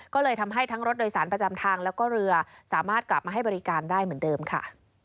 ก็เลยทำให้ทั้งรถโดยสารประจำทางแล้วก็เรือสามารถกลับมาให้บริการได้เหมือนเดิมค่ะ